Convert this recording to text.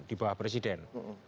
di bawah presiden